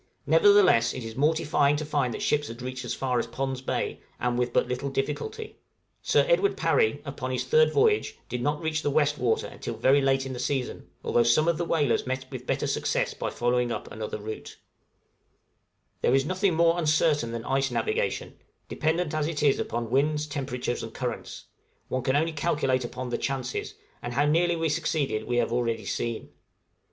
Nevertheless it is mortifying to find that ships had reached as far as Pond's Bay, and with but little difficulty. Sir Edward Parry, upon his third voyage, did not reach the west water until very late in the season, although some of the whalers met with better success by following up another route. {UNCERTAINTY OF ICE NAVIGATION.} There is nothing more uncertain than ice navigation, dependent as it is upon winds, temperatures, and currents: one can only calculate upon "the chances," and how nearly we succeeded we have already seen.